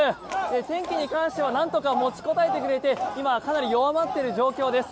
天気に関してはなんとか持ちこたえてくれて今、雨がやんでいる状態です。